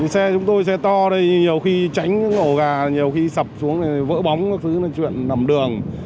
xe chúng tôi xe to đây nhiều khi tránh ổ ga nhiều khi sập xuống vỡ bóng các thứ chuyện nằm đường